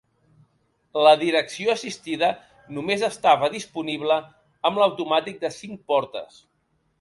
La direcció assistida només estava disponible amb l'automàtic de cinc portes.